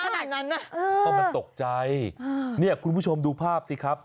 เล่นใหญ่มากต้องมันตกใจคุณผู้ชมดูภาพสิครับ